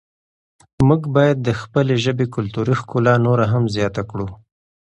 موږ باید د خپلې ژبې کلتوري ښکلا نوره هم زیاته کړو.